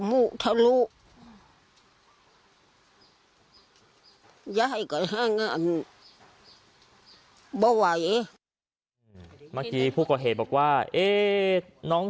มุกทะลุยายก็ฮ่างานโบราเยมักจีผู้ก่อเหตุบอกว่าเอน้อง